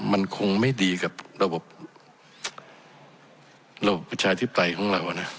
มันคงไม่ดีกับระบบระบบผู้ชายทิศไตรของเราอ่ะนะ